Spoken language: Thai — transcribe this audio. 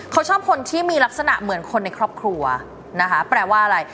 เขาชอบคนที่มีลักษณะเหมือนคนในครอบครัวนะคะแปลว่าอะไร